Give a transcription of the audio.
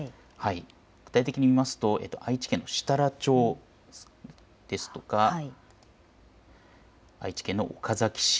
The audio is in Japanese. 具体的に言いますと愛知県の設楽町ですとか愛知県の岡崎市